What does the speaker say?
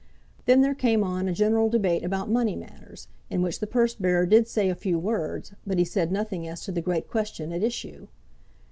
Then there came on a general debate about money matters, in which the purse bearer did say a few words, but he said nothing as to the great question at issue.